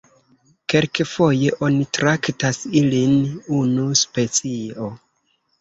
Kelkfoje oni traktas ilin unu specio.